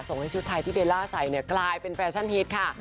ให้ชุดไทยที่เบลล่าใส่เนี่ยกลายเป็นแฟชั่นฮิตค่ะ